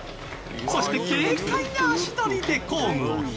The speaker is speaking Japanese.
そして軽快な足取りで工具を拾う。